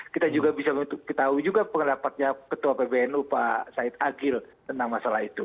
kita juga bisa mengetahui juga pendapatnya ketua pbnu pak said agil tentang masalah itu